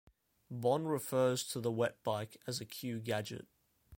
Bond refers to the Wetbike as a Q gadget.